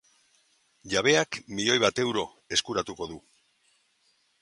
Jabeak milioi bat euro eskuratuko du.